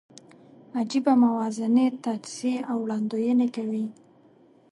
عجېبه موازنې، تجزیې او وړاندوینې کوي.